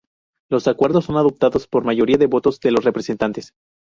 Los acuerdos son adoptados por mayoría de votos de los representantes.